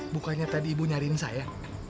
bukannya tadi ibu nyariin saya